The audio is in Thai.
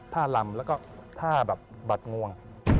ท่าลำแล้วก็ท่าแบบบัดงวง